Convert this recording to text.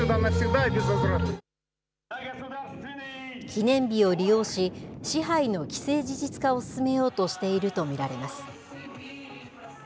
記念日を利用し、支配の既成事実化を進めようとしていると見られます。